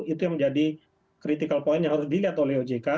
itu yang menjadi critical point yang harus dilihat oleh ojk